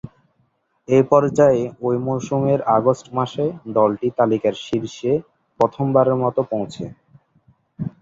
এ পর্যায়ে ঐ মৌসুমের আগস্ট মাসে দলটি তালিকার শীর্ষে প্রথমবারের মতো পৌঁছে।